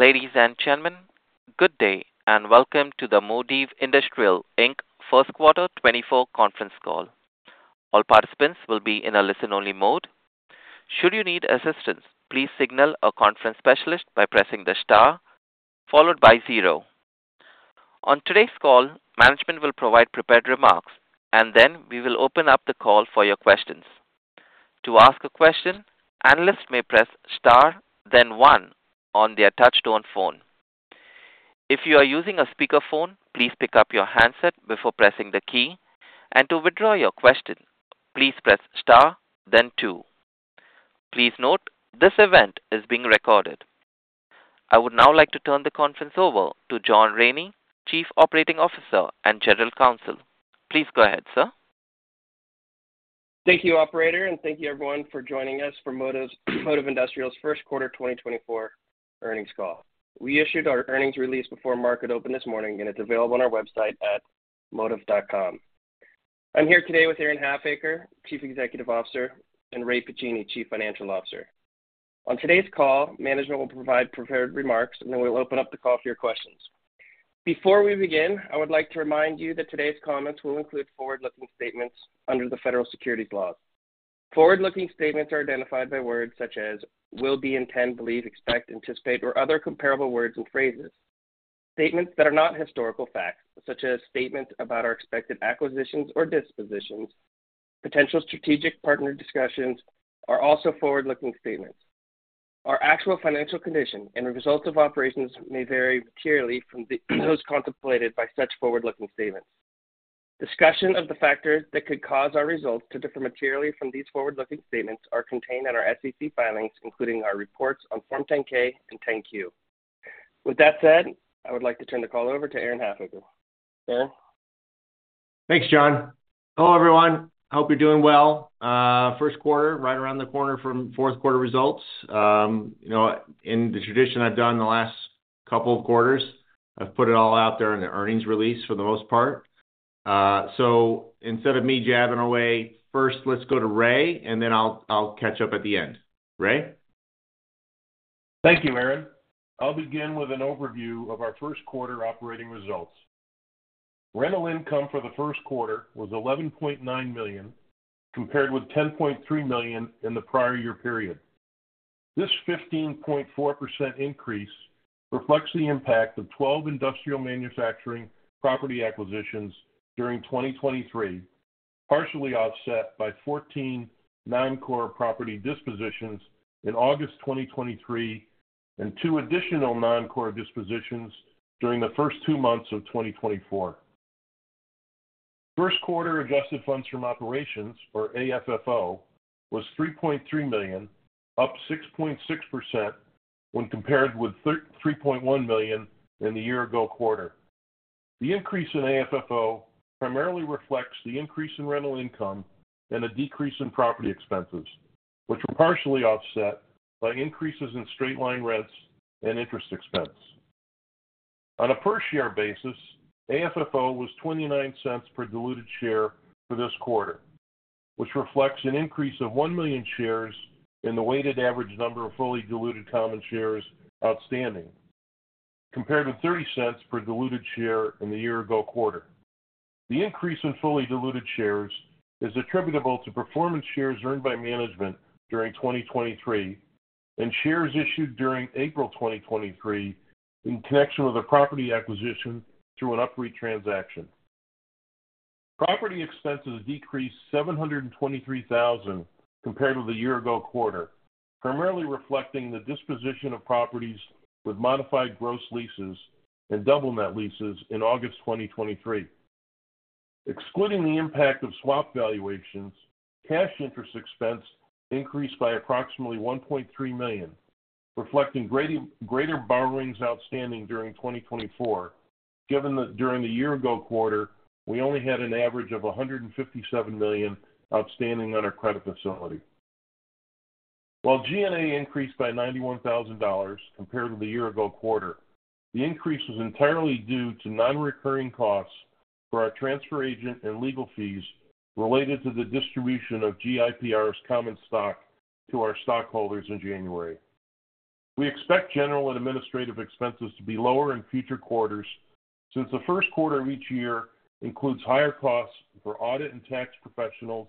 Ladies and gentlemen, good day, and welcome to the Modiv Industrial Inc. First Quarter 2024 Conference Call. All participants will be in a listen-only mode. Should you need assistance, please signal a conference specialist by pressing the Star, followed by zero. On today's call, management will provide prepared remarks, and then we will open up the call for your questions. To ask a question, analysts may press Star, then one on their touchtone phone. If you are using a speakerphone, please pick up your handset before pressing the key, and to withdraw your question, please press Star then two. Please note, this event is being recorded. I would now like to turn the conference over to John Raney, Chief Operating Officer and General Counsel. Please go ahead, sir. Thank you, operator, and thank you everyone for joining us for Modiv Industrial's First Quarter 2024 Earnings Call. We issued our earnings release before market open this morning, and it's available on our website at modiv.com. I'm here today with Aaron Halfacre, Chief Executive Officer, and Ray Pacini, Chief Financial Officer. On today's call, management will provide prepared remarks, and then we'll open up the call for your questions. Before we begin, I would like to remind you that today's comments will include forward-looking statements under the Federal Securities laws. Forward-looking statements are identified by words such as will be, intend, believe, expect, anticipate, or other comparable words and phrases. Statements that are not historical facts, such as statements about our expected acquisitions or dispositions, potential strategic partner discussions, are also forward-looking statements. Our actual financial condition and results of operations may vary materially from those contemplated by such forward-looking statements. Discussion of the factors that could cause our results to differ materially from these forward-looking statements are contained in our SEC filings, including our reports on Form 10-K and 10-Q. With that said, I would like to turn the call over to Aaron Halfacre. Aaron? Thanks, John. Hello, everyone. Hope you're doing well. First quarter, right around the corner from fourth quarter results. You know, in the tradition I've done the last couple of quarters, I've put it all out there in the earnings release for the most part. So instead of me jabbing away, first, let's go to Ray, and then I'll catch up at the end. Ray? Thank you, Aaron. I'll begin with an overview of our first quarter operating results. Rental income for the first quarter was $11.9 million, compared with $10.3 million in the prior year period. This 15.4% increase reflects the impact of 12 industrial manufacturing property acquisitions during 2023, partially offset by 14 noncore property dispositions in August 2023 and 2 additional noncore dispositions during the first two months of 2024. First quarter adjusted funds from operations, or AFFO, was $3.3 million, up 6.6% when compared with three point one million in the year ago quarter. The increase in AFFO primarily reflects the increase in rental income and a decrease in property expenses, which were partially offset by increases in straight line rents and interest expense. On a per share basis, AFFO was $0.29 per diluted share for this quarter, which reflects an increase of 1 million shares in the weighted average number of fully diluted common shares outstanding, compared to $0.30 per diluted share in the year ago quarter. The increase in fully diluted shares is attributable to performance shares earned by management during 2023 and shares issued during April 2023 in connection with a property acquisition through an upfront transaction. Property expenses decreased $723,000 compared with the year ago quarter, primarily reflecting the disposition of properties with modified gross leases and double net leases in August 2023. Excluding the impact of swap valuations, cash interest expense increased by approximately $1.3 million, reflecting greater borrowings outstanding during 2024, given that during the year ago quarter, we only had an average of $157 million outstanding on our credit facility. While G&A increased by $91,000 compared to the year ago quarter, the increase was entirely due to non-recurring costs for our transfer agent and legal fees related to the distribution of GIPR's common stock to our stockholders in January. We expect general and administrative expenses to be lower in future quarters, since the first quarter of each year includes higher costs for audit and tax professionals,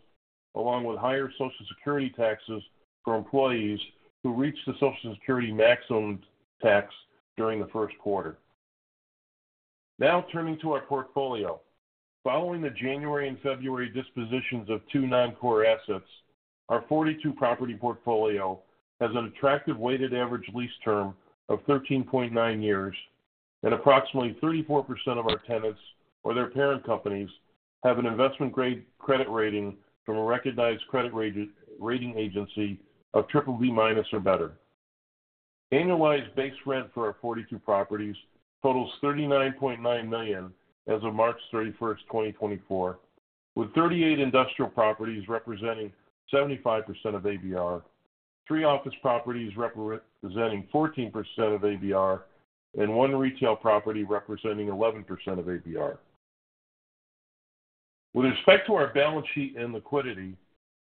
along with higher Social Security taxes for employees who reach the Social Security maximum tax during the first quarter. Now, turning to our portfolio. Following the January and February dispositions of two non-core assets, our 42-property portfolio has an attractive weighted average lease term of 13.9 years, and approximately 34% of our tenants or their parent companies have an investment-grade credit rating from a recognized credit rating agency of BBB- or better. Annualized base rent for our 42 properties totals $39.9 million as of March 31, 2024, with 38 industrial properties representing 75% of ABR, three office properties representing 14% of ABR, and one retail property representing 11% of ABR. With respect to our balance sheet and liquidity,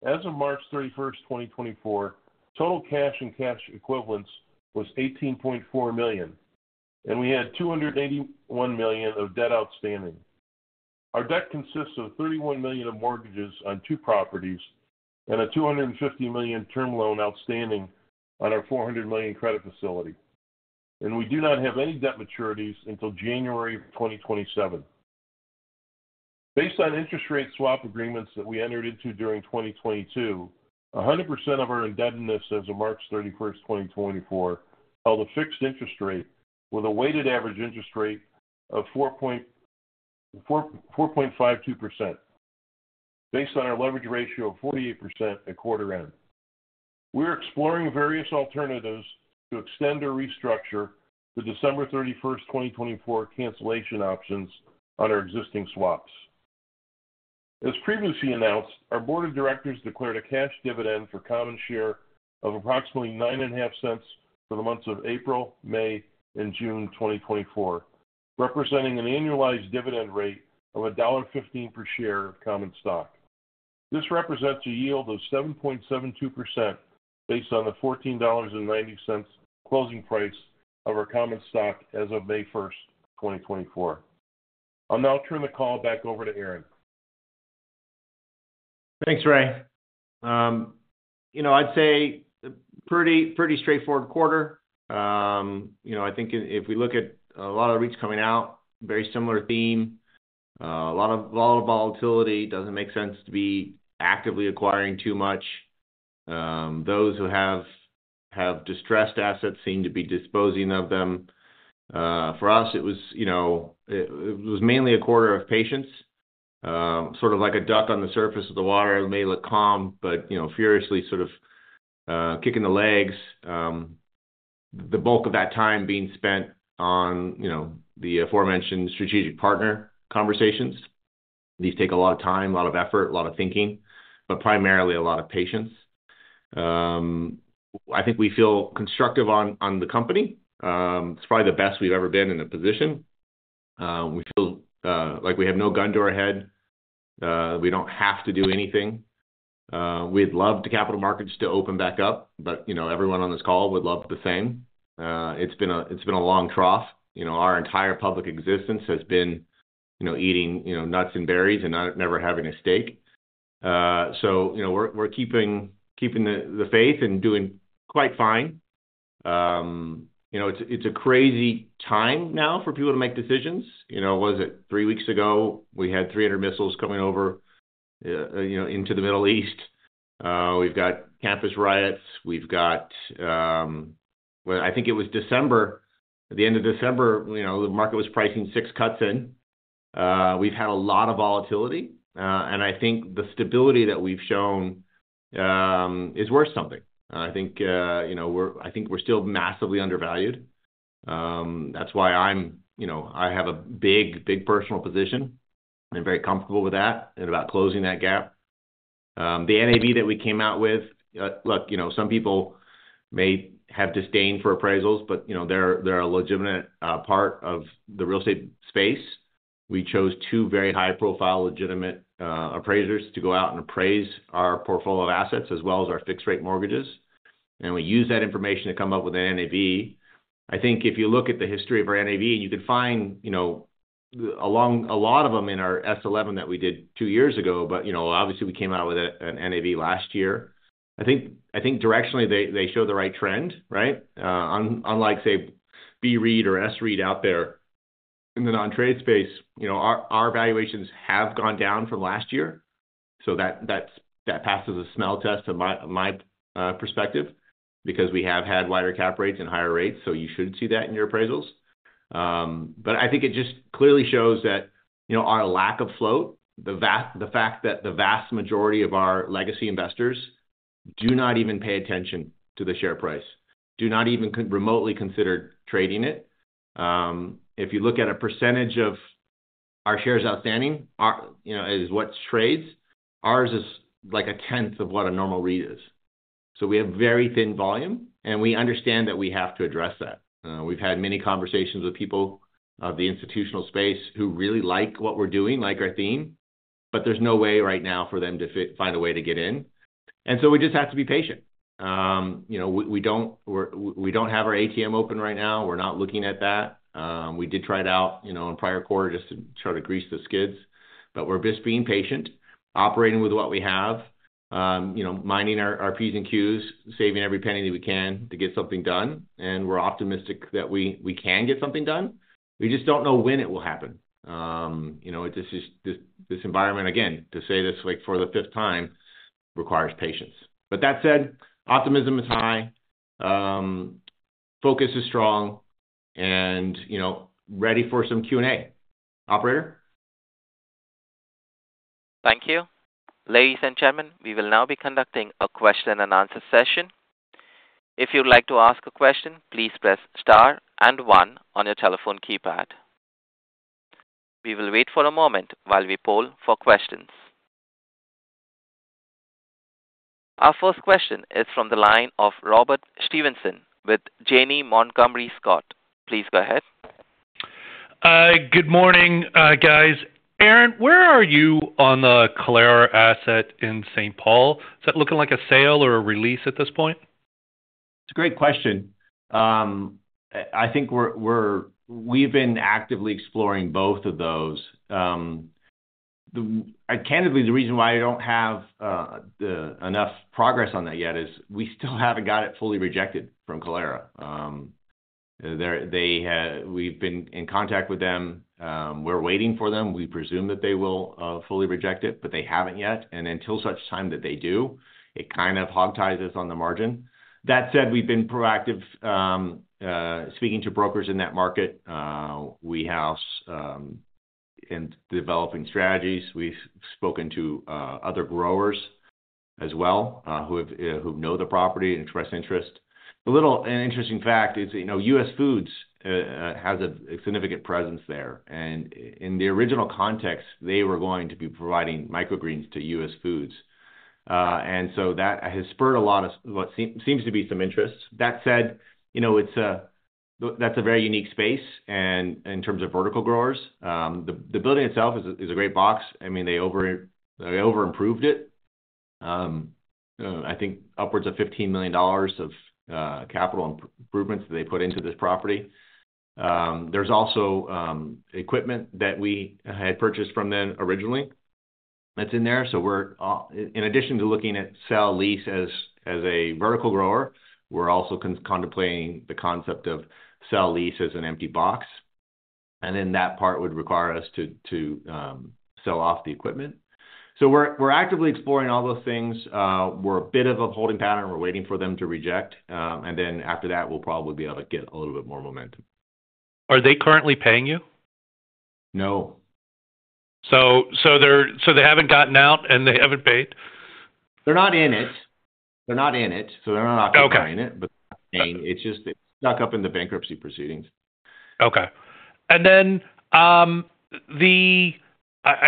as of March 31, 2024, total cash and cash equivalents was $18.4 million, and we had $281 million of debt outstanding. Our debt consists of $31 million of mortgages on two properties and a $250 million term loan outstanding on our $400 million credit facility, and we do not have any debt maturities until January of 2027. Based on interest rate swap agreements that we entered into during 2022, 100% of our indebtedness as of March 31st, 2024, held a fixed interest rate with a weighted average interest rate of 4.452%, based on our leverage ratio of 48% at quarter end. We're exploring various alternatives to extend or restructure the December 31st, 2024, cancellation options on our existing swaps. As previously announced, our board of directors declared a cash dividend for common share of approximately $0.095 for the months of April, May, and June 2024, representing an annualized dividend rate of $1.15 per share of common stock. This represents a yield of 7.72% based on the $14.90 closing price of our common stock as of May 1st, 2024. I'll now turn the call back over to Aaron. Thanks, Ray. You know, I'd say pretty straightforward quarter. You know, I think if we look at a lot of REITs coming out, very similar theme. A lot of volatility. Doesn't make sense to be actively acquiring too much. Those who have distressed assets seem to be disposing of them. For us, it was, you know, it was mainly a quarter of patience. Sort of like a duck on the surface of the water, it may look calm, but, you know, furiously sort of kicking the legs. The bulk of that time being spent on, you know, the aforementioned strategic partner conversations. These take a lot of time, a lot of effort, a lot of thinking, but primarily a lot of patience. I think we feel constructive on the company. It's probably the best we've ever been in a position. We feel like we have no gun to our head. We don't have to do anything. We'd love the capital markets to open back up, but, you know, everyone on this call would love the same. It's been a long trough. You know, our entire public existence has been, you know, eating, you know, nuts and berries and never having a steak. So, you know, we're keeping the faith and doing quite fine. You know, it's a crazy time now for people to make decisions. You know, was it three weeks ago? We had 300 missiles coming over, you know, into the Middle East. We've got campus riots. We've got, well, I think it was December, at the end of December, you know, the market was pricing six cuts in. We've had a lot of volatility, and I think the stability that we've shown is worth something. I think, you know, we're. I think we're still massively undervalued. That's why I'm, you know, I have a big, big personal position. I'm very comfortable with that, and about closing that gap. The NAV that we came out with, look, you know, some people may have disdain for appraisals, but, you know, they're, they're a legitimate part of the real estate space. We chose two very high-profile, legitimate appraisers to go out and appraise our portfolio of assets as well as our fixed rate mortgages, and we used that information to come up with an NAV. I think if you look at the history of our NAV, you can find, you know, along a lot of them in our S-11 that we did two years ago, but, you know, obviously, we came out with an NAV last year. I think directionally, they show the right trend, right? Unlike, say, BREIT or SREIT out there in the non-traded space, you know, our valuations have gone down from last year, so that passes the smell test to my perspective, because we have had wider cap rates and higher rates, so you should see that in your appraisals. But I think it just clearly shows that, you know, our lack of float, the fact that the vast majority of our legacy investors do not even pay attention to the share price, do not even remotely consider trading it. If you look at a percentage of our shares outstanding, our, you know, is what trades, ours is like a tenth of what a normal REIT is. So we have very thin volume, and we understand that we have to address that. We've had many conversations with people in the institutional space who really like what we're doing, like our theme, but there's no way right now for them to find a way to get in. And so we just have to be patient. You know, we don't have our ATM open right now. We're not looking at that. We did try it out, you know, in prior quarter just to try to grease the skids. But we're just being patient, operating with what we have, you know, minding our P's and Q's, saving every penny that we can to get something done, and we're optimistic that we can get something done. We just don't know when it will happen. You know, this is this environment, again, to say this, like, for the fifth time, requires patience. But that said, optimism is high, focus is strong, and, you know, ready for some Q&A. Operator? Thank you. Ladies and gentlemen, we will now be conducting a question and answer session. If you'd like to ask a question, please press star and one on your telephone keypad. We will wait for a moment while we poll for questions. Our first question is from the line of Robert Stevenson with Janney Montgomery Scott. Please go ahead. Good morning, guys. Aaron, where are you on the Kalera asset in St. Paul? Is that looking like a sale or a release at this point? It's a great question. I think we've been actively exploring both of those. And candidly, the reason why I don't have enough progress on that yet is we still haven't got it fully rejected from Kalera. We've been in contact with them. We're waiting for them. We presume that they will fully reject it, but they haven't yet, and until such time that they do, it kind of hog-ties us on the margin. That said, we've been proactive speaking to brokers in that market in developing strategies. We've spoken to other growers as well who know the property and express interest. A little, an interesting fact is, you know, US Foods has a significant presence there, and in the original context, they were going to be providing microgreens to US Foods. And so that has spurred a lot of what seems to be some interest. That said, you know, it's a that's a very unique space and in terms of vertical growers. The building itself is a great box. I mean, they over-improved it. I think upwards of $15 million of capital improvements they put into this property. There's also equipment that we had purchased from them originally that's in there. So we're in addition to looking at sale/lease as, as a vertical grower, we're also contemplating the concept of sale/lease as an empty box, and then that part would require us to sell off the equipment. So we're actively exploring all those things. We're a bit of a holding pattern, we're waiting for them to reject, and then after that, we'll probably be able to get a little bit more momentum. Are they currently paying you? No. So they haven't gotten out, and they haven't paid? They're not in it. They're not in it, so they're not occupying it Okay. It's just stuck up in the bankruptcy proceedings. Okay. And then, I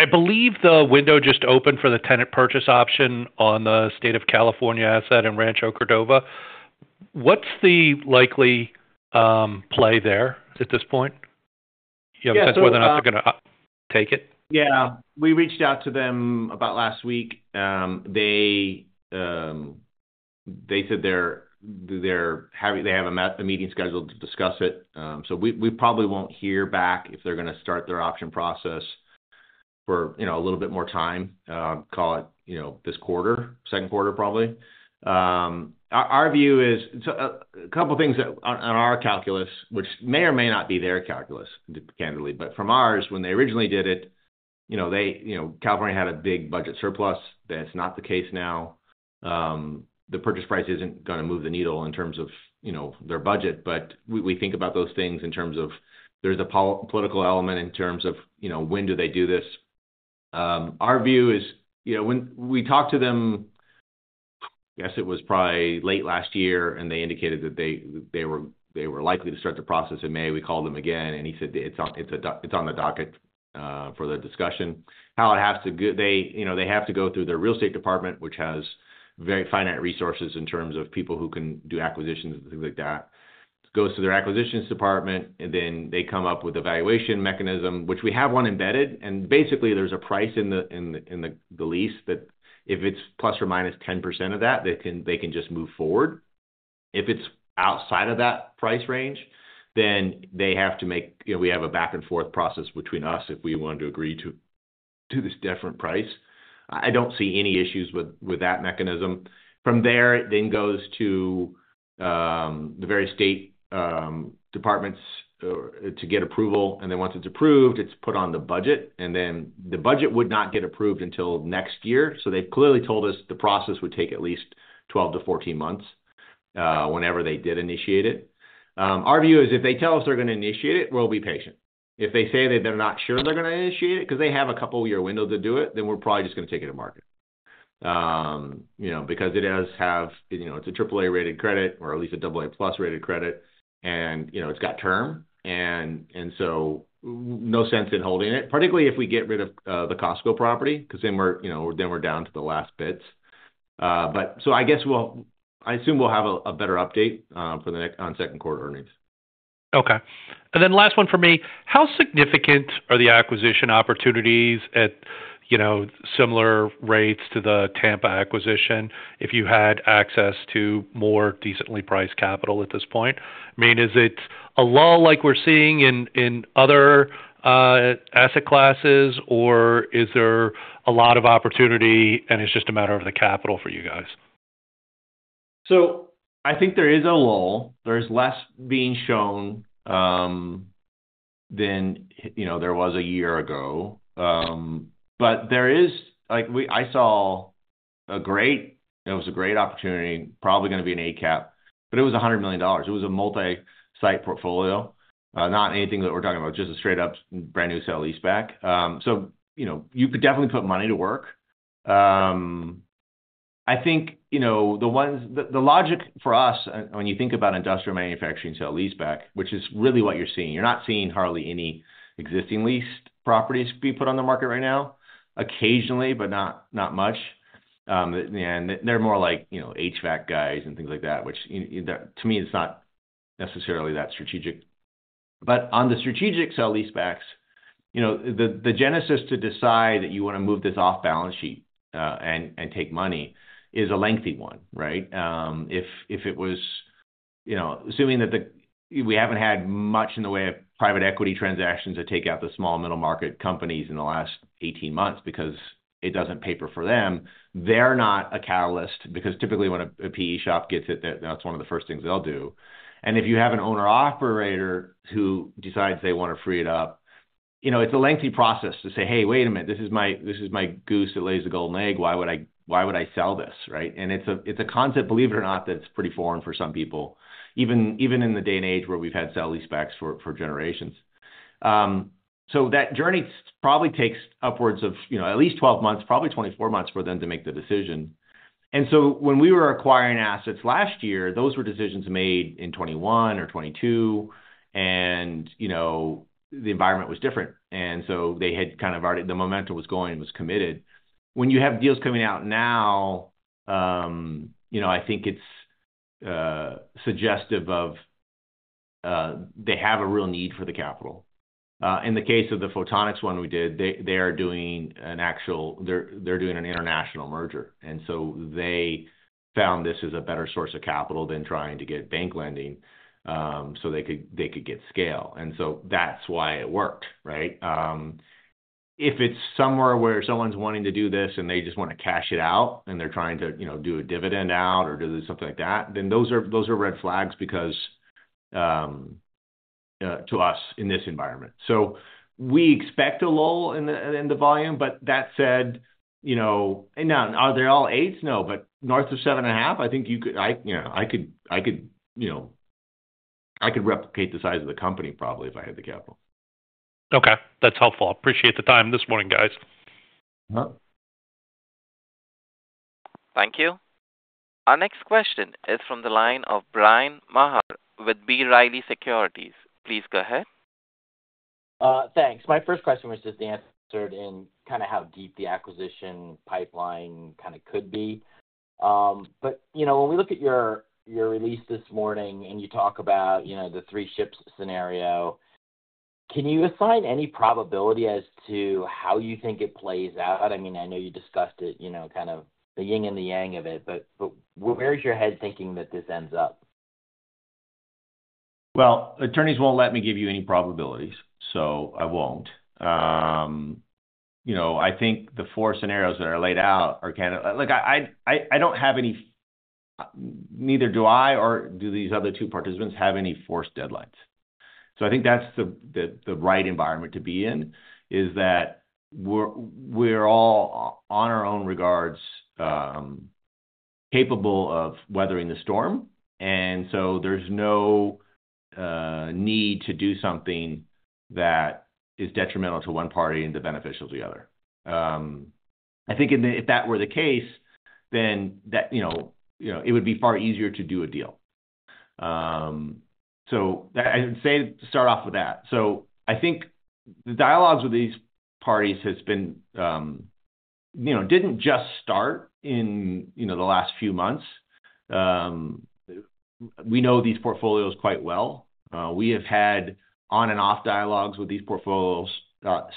believe the window just opened for the tenant purchase option on the State of California asset in Rancho Cordova. What's the likely play there at this point? Yeah, so, Whether or not they're gonna take it. Yeah, we reached out to them about last week. They said they're having they have a meeting scheduled to discuss it. So we probably won't hear back if they're gonna start their option process for, you know, a little bit more time, call it, you know, this quarter, second quarter, probably. Our view is, so, a couple of things that on our calculus, which may or may not be their calculus, candidly, but from ours, when they originally did it, you know, they, you know, California had a big budget surplus. That's not the case now. The purchase price isn't gonna move the needle in terms of, you know, their budget, but we think about those things in terms of there's a political element in terms of, you know, when do they do this? Our view is, you know, when we talked to them, I guess it was probably late last year, and they indicated that they were likely to start the process in May. We called them again, and he said it's on the docket for the discussion. How it has to go. They, you know, they have to go through their real estate department, which has very finite resources in terms of people who can do acquisitions and things like that. It goes to their acquisitions department, and then they come up with evaluation mechanism, which we have one embedded, and basically there's a price in the lease, that if it's plus or minus 10% of that, they can just move forward. If it's outside of that price range, then they have to make, you know, we have a back-and-forth process between us if we want to agree to this different price. I don't see any issues with that mechanism. From there, it then goes to the various state departments to get approval, and then once it's approved, it's put on the budget, and then the budget would not get approved until next year. So they've clearly told us the process would take at least 12-14 months whenever they did initiate it. Our view is if they tell us they're gonna initiate it, we'll be patient. If they say that they're not sure they're gonna initiate it, 'cause they have a couple of year window to do it, then we're probably just gonna take it to market. You know, because it does have, you know, it's a triple A rated credit, or at least a double A plus rated credit, and, you know, it's got term and, and so no sense in holding it, particularly if we get rid of the Costco property, 'cause then we're, you know, then we're down to the last bits. But so I guess we'll. I assume we'll have a, a better update for the next, on second quarter earnings. Okay, and then last one for me. How significant are the acquisition opportunities at, you know, similar rates to the Tampa acquisition if you had access to more decently priced capital at this point? I mean, is it a lull like we're seeing in other asset classes, or is there a lot of opportunity, and it's just a matter of the capital for you guys? So I think there is a lull. There's less being shown than, you know, there was a year ago. But there is. I saw a great, it was a great opportunity, probably gonna be an 8-cap, but it was $100 million. It was a multi-site portfolio, not anything that we're talking about, just a straight-up brand new sale-leaseback. So, you know, you could definitely put money to work. I think, you know, the logic for us when you think about industrial manufacturing sale-leaseback, which is really what you're seeing, you're not seeing hardly any existing leased properties being put on the market right now. Occasionally, but not much. And they're more like, you know, HVAC guys and things like that, which to me, it's not necessarily that strategic. But on the strategic sale-leasebacks, you know, the genesis to decide that you want to move this off balance sheet, and take money is a lengthy one, right? If it was, you know, assuming that we haven't had much in the way of private equity transactions that take out the small middle-market companies in the last 18 months because it doesn't pencil for them. They're not a catalyst because typically, when a PE shop gets hit, that's one of the first things they'll do. And if you have an owner-operator who decides they want to free it up, you know, it's a lengthy process to say, "Hey, wait a minute, this is my, this is my goose that lays the golden egg. Why would I, why would I sell this, right?" And it's a concept, believe it or not, that's pretty foreign for some people, even in the day and age where we've had sale-leasebacks for generations. So that journey probably takes upwards of, you know, at least 12 months, probably 24 months for them to make the decision. And so when we were acquiring assets last year, those were decisions made in 2021 or 2022, and, you know, the environment was different. And so they had kind of already... the momentum was going and was committed. When you have deals coming out now, you know, I think it's suggestive of they have a real need for the capital. In the case of the Photonics one we did, they are doing an actual international merger, and so they found this as a better source of capital than trying to get bank lending, so they could get scale, and so that's why it worked, right? If it's somewhere where someone's wanting to do this and they just want to cash it out, and they're trying to, you know, do a dividend out or do something like that, then those are red flags because to us in this environment. So we expect a lull in the volume, but that said, you know, and now, are they all eights? No, but north of 7.5, I think you could I, you know, I could, I could, you know, I could replicate the size of the company, probably, if I had the capital. Okay, that's helpful. Appreciate the time this morning, guys. Thank you. Our next question is from the line of Bryan Maher with B. Riley Securities. Please go ahead. Thanks. My first question was just answered in kind of how deep the acquisition pipeline kind of could be. But, you know, when we look at your, your release this morning and you talk about, you know, the three ships scenario, can you assign any probability as to how you think it plays out? I mean, I know you discussed it, you know, kind of the yin and the yang of it, but where is your head thinking that this ends up? Well, attorneys won't let me give you any probabilities, so I won't. You know, I think the four scenarios that are laid out are kind of. Look, I don't have any, neither do I or do these other two participants have any forced deadlines. So I think that's the right environment to be in, is that we're all on our own regards, capable of weathering the storm, and so there's no need to do something that is detrimental to one party and beneficial to the other. I think if that were the case, then that, you know, it would be far easier to do a deal. So I'd say to start off with that. So I think the dialogues with these parties has been, you know, didn't just start in, you know, the last few months. We know these portfolios quite well. We have had on and off dialogues with these portfolios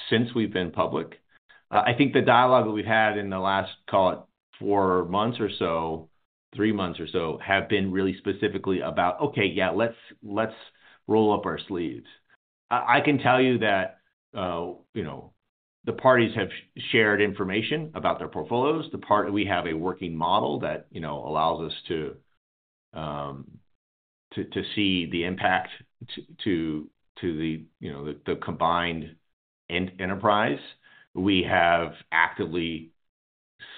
since we've been public. I think the dialogue that we've had in the last, call it four months or so, three months or so, have been really specifically about, "Okay, yeah, let's, let's roll up our sleeves." I can tell you that, you know, the parties have shared information about their portfolios. We have a working model that, you know, allows us to see the impact to the, you know, the combined enterprise. We have actively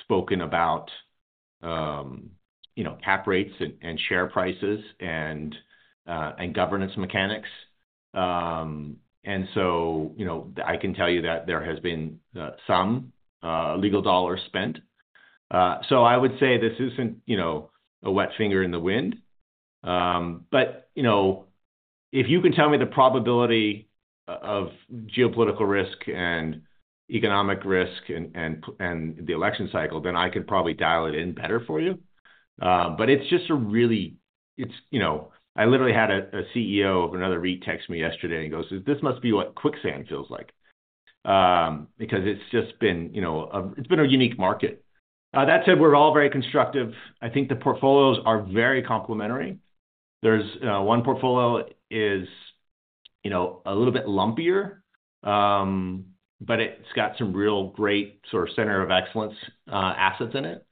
spoken about, you know, cap rates and share prices and governance mechanics. So, you know, I can tell you that there has been some legal dollars spent. So I would say this isn't, you know, a wet finger in the wind. But, you know, if you can tell me the probability of geopolitical risk and economic risk and the election cycle, then I could probably dial it in better for you. But it's just a really. It's, you know, I literally had a CEO of another REIT text me yesterday, and he goes: "This must be what quicksand feels like." Because it's just been, you know, it's been a unique market. That said, we're all very constructive. I think the portfolios are very complementary. There's one portfolio is, you know, a little bit lumpier, but it's got some real great sort of center of excellence assets in it.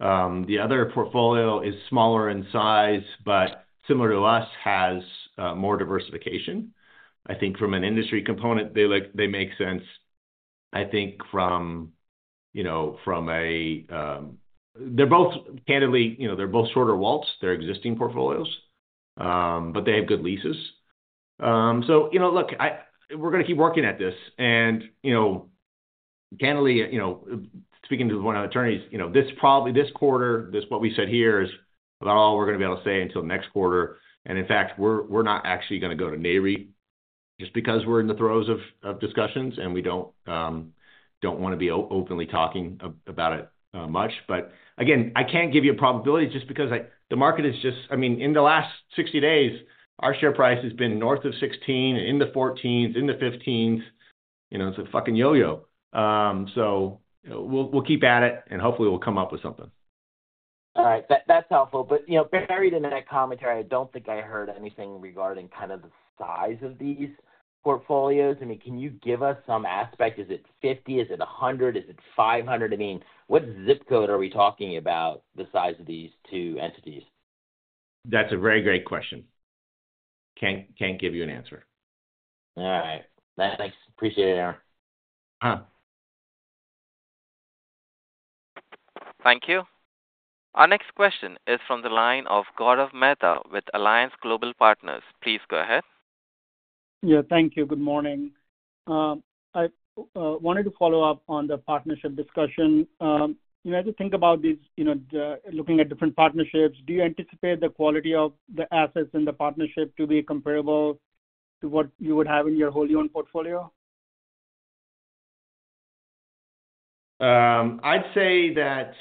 The other portfolio is smaller in size, but similar to us, has more diversification. I think from an industry component, they like, they make sense. I think from, you know, from a, they're both candidly, you know, they're both shorter WALTs, their existing portfolios, but they have good leases. So, you know, look, we're gonna keep working at this. And, you know, candidly, you know, speaking to one of the attorneys, you know, this probably, this quarter, this what we said here is about all we're gonna be able to say until next quarter, and in fact, we're not actually gonna go to NAREIT. Just because we're in the throes of discussions, and we don't wanna be openly talking about it much. But again, I can't give you a probability just because the market is just, I mean, in the last 60 days, our share price has been north of 16, in the 14s, in the 15s. You know, it's a fucking yo-yo. So we'll keep at it, and hopefully we'll come up with something. All right, that, that's helpful. But, you know, buried in that commentary, I don't think I heard anything regarding kind of the size of these portfolios. I mean, can you give us some aspect? Is it 50? Is it 100? Is it 500? I mean, what zip code are we talking about the size of these two entities? That's a very great question. Can't give you an answer. All right. Thanks. Appreciate it, Aaron. Thank you. Our next question is from the line of Gaurav Mehta with Alliance Global Partners. Please go ahead. Yeah, thank you. Good morning. I wanted to follow up on the partnership discussion. You know, as you think about these, you know, looking at different partnerships, do you anticipate the quality of the assets in the partnership to be comparable to what you would have in your wholly owned portfolio? I'd say that,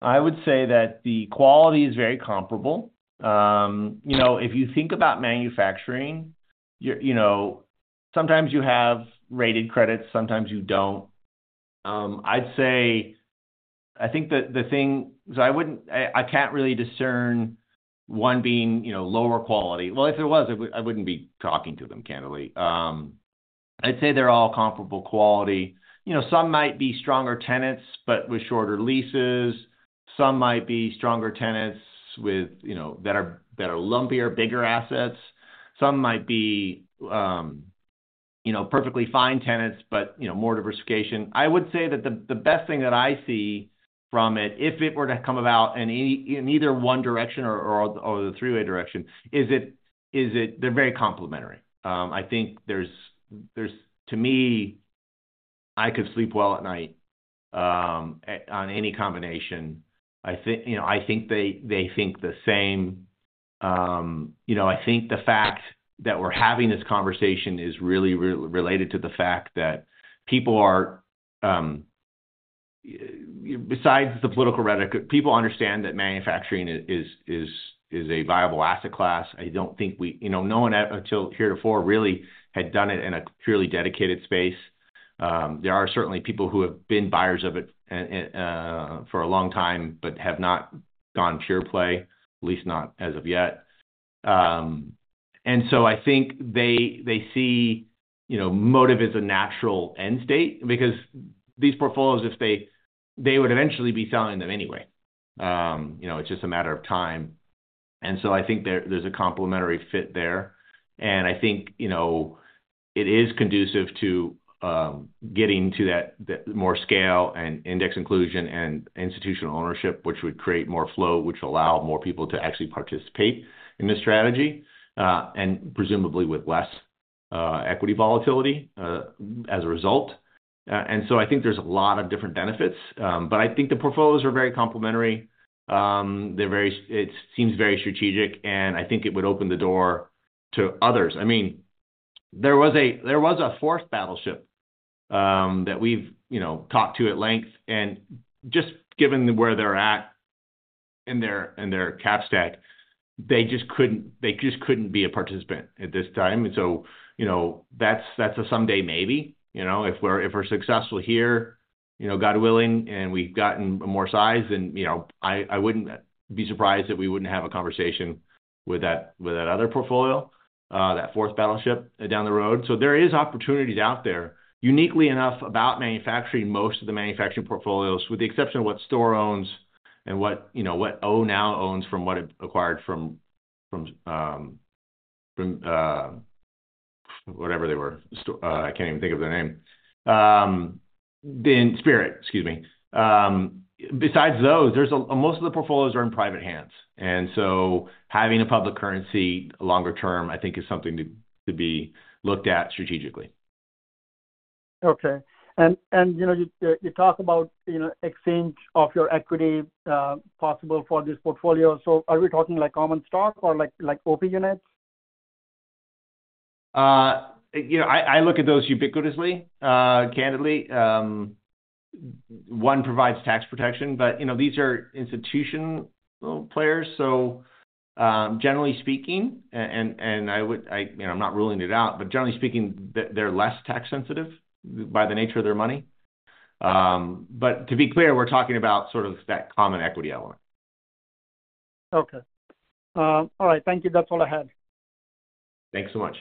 I would say that the quality is very comparable. You know, if you think about manufacturing, you're, you know, sometimes you have rated credits, sometimes you don't. I'd say I think, so I wouldn't, I can't really discern one being, you know, lower quality. Well, if there was, I wouldn't be talking to them, candidly. I'd say they're all comparable quality. You know, some might be stronger tenants, but with shorter leases, some might be stronger tenants with, you know, that are lumpier, bigger assets. Some might be, you know, perfectly fine tenants, but, you know, more diversification. I would say that the best thing that I see from it, if it were to come about in either one direction or the three-way direction, is that they're very complementary. I think there's to me, I could sleep well at night, on any combination. I think, you know, I think they think the same. You know, I think the fact that we're having this conversation is really related to the fact that people are, besides the political rhetoric, people understand that manufacturing is a viable asset class. I don't think we... You know, no one ever until heretofore really had done it in a purely dedicated space. There are certainly people who have been buyers of it for a long time, but have not gone pure play, at least not as of yet. And so I think they see, you know, motive as a natural end state because these portfolios would eventually be selling them anyway. You know, it's just a matter of time. And so I think there's a complementary fit there. And I think, you know, it is conducive to getting to that more scale and index inclusion and institutional ownership, which would create more flow, which will allow more people to actually participate in this strategy, and presumably with less equity volatility as a result. And so I think there's a lot of different benefits. But I think the portfolios are very complementary. They're it seems very strategic, and I think it would open the door to others. I mean, there was a fourth battleship that we've you know talked to at length, and just given where they're at in their cap stack, they just couldn't be a participant at this time. And so, you know, that's a someday maybe. You know, if we're successful here, you know, God willing, and we've gotten more size, then, you know, I wouldn't be surprised if we wouldn't have a conversation with that other portfolio that fourth battleship down the road. So there is opportunities out there. Uniquely enough, about manufacturing, most of the manufacturing portfolios, with the exception of what STORE owns and what, you know, what O now owns from what it acquired from whatever they were. I can't even think of the name. Then Spirit, excuse me. Besides those, most of the portfolios are in private hands, and so having a public currency longer term, I think is something to be looked at strategically. Okay. And you know, you talk about, you know, exchange of your equity possible for this portfolio. So are we talking like common stock or like OP units? You know, I look at those ubiquitously, candidly. One provides tax protection, but you know, these are institutional players, so generally speaking, and I would, you know, I'm not ruling it out, but generally speaking, they're less tax sensitive by the nature of their money. But to be clear, we're talking about sort of that common equity element. Okay. All right. Thank you. That's all I had. Thanks so much.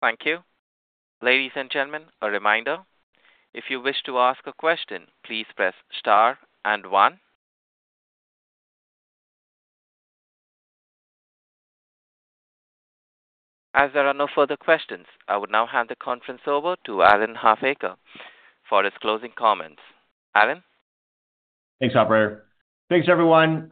Thank you. Ladies and gentlemen, a reminder, if you wish to ask a question, please press star and one. As there are no further questions, I would now hand the conference over to Aaron Halfacre for his closing comments. Aaron? Thanks, operator. Thanks, everyone.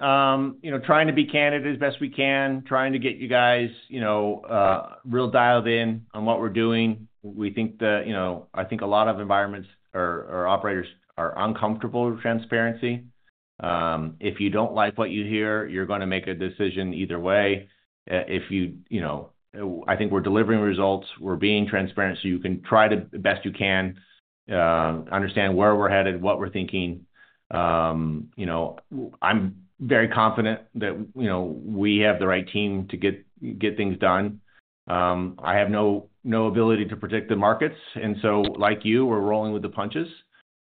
You know, trying to be candid as best we can, trying to get you guys, you know, real dialed in on what we're doing. We think that, you know, I think a lot of environments or operators are uncomfortable with transparency. If you don't like what you hear, you're gonna make a decision either way. If you, you know, I think we're delivering results, we're being transparent, so you can try the best you can, understand where we're headed, what we're thinking. You know, I'm very confident that, you know, we have the right team to get things done. I have no ability to predict the markets, and so, like you, we're rolling with the punches.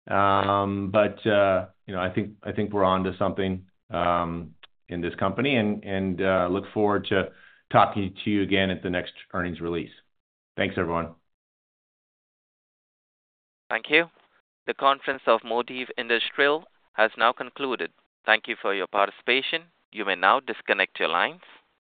But, you know, I think we're onto something in this company and look forward to talking to you again at the next earnings release. Thanks, everyone. Thank you. The conference of Modiv Industrial has now concluded. Thank you for your participation. You may now disconnect your lines.